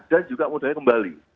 dan juga modalnya kembali